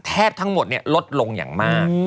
แทบทั้งหมดลดลงอย่างมาก